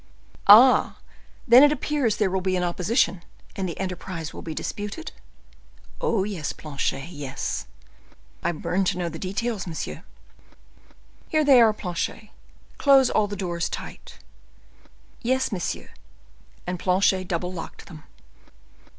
"Ah! then it appears there will be an opposition, and the enterprise will be disputed?" "Oh, yes, Planchet, yes." "I burn to know the details, monsieur." "Here they are, Planchet—close all the doors tight." "Yes, monsieur." And Planchet double locked them.